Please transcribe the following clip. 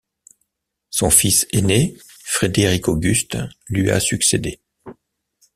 Son fils aîné, Frédéric-Auguste lui a succédé.